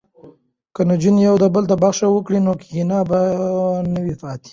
که نجونې یو بل ته بخښنه وکړي نو کینه به نه وي پاتې.